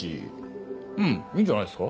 うんいいんじゃないっすか？